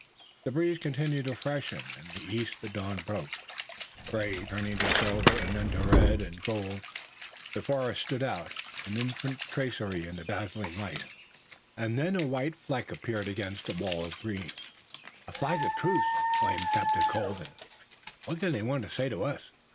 The breeze continued to freshen, and in the east the dawn broke, gray, turning to silver, and then to red and gold. The forest soon stood out, an infinite tracery in the dazzling light, and then a white fleck appeared against the wall of green. "A flag of truce!" exclaimed Captain Colden. "What can they want to say to us?"